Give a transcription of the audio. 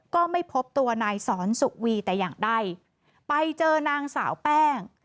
ก็ไม่พบตัวนายสอนสุวีแต่อย่างใดไปเจอนางสาวแป้ง